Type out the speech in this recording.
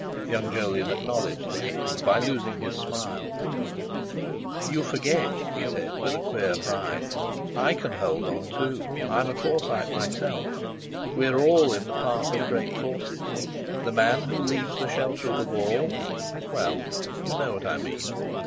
Young Jolyon acknowledged the hit by losing his smile. "You forget," he said with a queer pride, "I can hold on, too—I'm a Forsyte myself. We're all in the path of great forces. The man who leaves the shelter of the wall—well—you know what I mean.